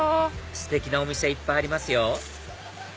ステキなお店いっぱいありますよ